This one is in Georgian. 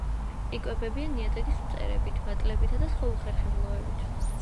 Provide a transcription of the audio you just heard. იკვებებიან ნიადაგის მწერებით, მატლებითა და სხვა უხერხემლოებით.